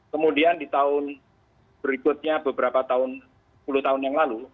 kemudian di tahun berikutnya beberapa tahun sepuluh tahun yang lalu